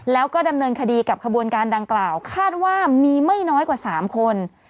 แล้วก็ดำเนินคดีกับขบวนการดังกล่าวคาดว่ามีไม่น้อยกว่า๓คน